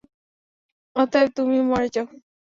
অতএব, তুমিও মরে যাও।